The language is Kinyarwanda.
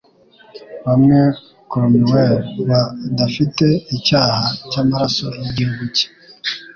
Bamwe Cromwell, badafite icyaha cyamaraso yigihugu cye.